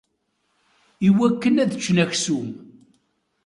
Iwakken ad ččen aksum.